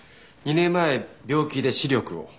２年前病気で視力を。